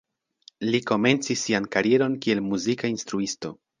Li komencis sian karieron kiel muzika instruisto.